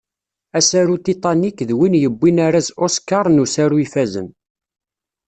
Asaru Titanic d win yewwin arraz Oscar n usaru ifazen.